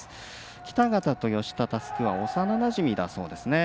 北方と吉田佑久は幼なじみだそうですね。